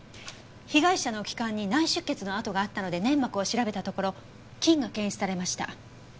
被害者の気管に内出血の跡があったので粘膜を調べたところ菌が検出されました。